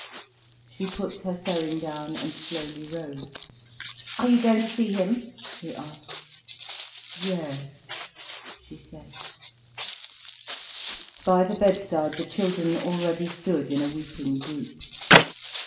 She put her sewing down, and slowly rose. "Are you going to see him?" he asked. "Yes," she said By the bedside the children already stood in a weeping group.